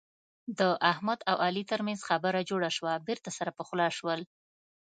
د احمد او علي ترمنځ خبره جوړه شوه. بېرته سره پخلا شول.